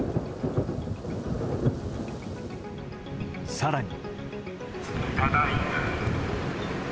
更に。